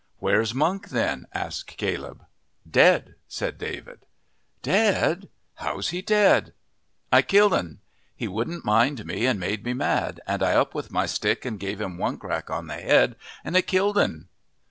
"Where's Monk then?" asked Caleb. "Dead," said David. "Dead! How's he dead?" "I killed'n. He wouldn't mind me and made me mad, and I up with my stick and gave him one crack on the head and it killed'n."